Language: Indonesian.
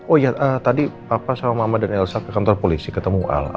oh ya tadi papa sama mama dan elsa ke kantor polisi ketemu ala